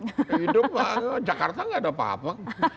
kehidupan jakarta enggak ada apa apa